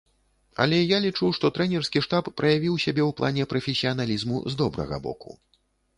Але я лічу, што трэнерскі штаб праявіў сябе ў плане прафесіяналізму з добрага боку.